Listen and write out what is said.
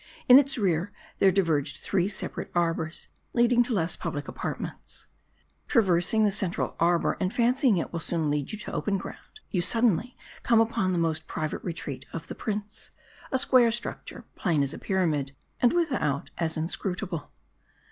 In its rear, there diverged three separate arbors, leading to less public apartments. Traversing the central arbor, and fancying it will soon lead you to open ground, you suddenly come upon the most private retreat of the prince : a square structure ; plain as a pyramid ; and without, as inscrutable.